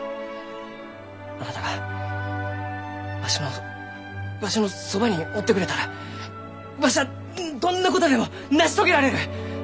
あなたがわしのわしのそばにおってくれたらわしはどんなことでも成し遂げられる！